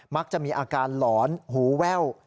มักจะมีอาการหลอนหูแว่ว